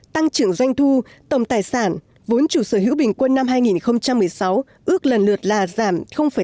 tăng trưởng doanh thu tổng tài sản vốn chủ sở hữu bình quân năm hai nghìn một mươi sáu ước lần lượt là giảm tám mươi bảy